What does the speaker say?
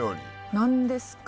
何ですか？